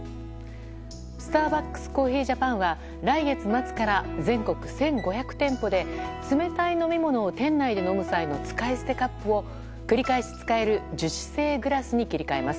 スターバックスコーヒージャパンは、来月末から全国１５００店舗で冷たい飲み物を店内で飲む際の使い捨てカップを繰り返し使える樹脂製グラスに切り替えます。